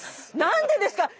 何でですか？